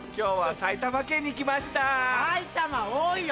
埼玉多いよ